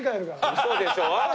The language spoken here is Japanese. ウソでしょ？